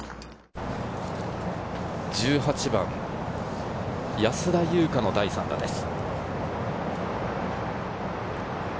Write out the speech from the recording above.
１８番、安田祐香の第３打です。